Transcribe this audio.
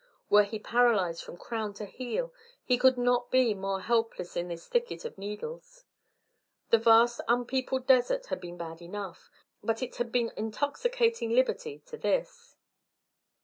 Were he paralysed from crown to heel he could not be more helpless in this thicket of needles. The vast unpeopled desert had been bad enough, but it had been intoxicating liberty to this.